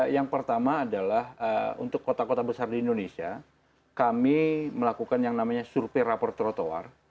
yang pertama adalah untuk kota kota besar di indonesia kami melakukan yang namanya survei rapor trotoar